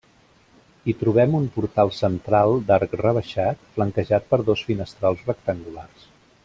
Hi trobem un portal central d'arc rebaixat, flanquejat per dos finestrals rectangulars.